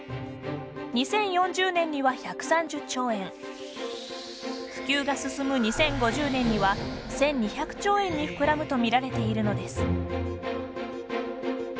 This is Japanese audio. ２０４０年には１３０兆円普及が進む２０５０年には１２００兆円に膨らむとみられているのです。